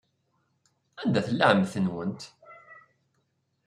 Anda tella ɛemmti-nwent?